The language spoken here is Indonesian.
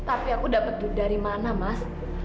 tapi aku dapet itu dari mana mas